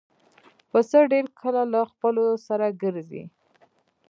پسه ډېر کله له خپلو سره ګرځي.